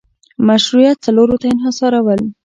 مشروعیت څلورو ته انحصارول